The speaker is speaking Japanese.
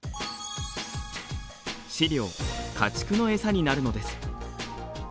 飼料家畜の餌になるのです。